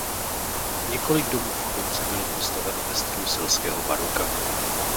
Několik domů v Chlumci bylo postaveno ve stylu selského baroka.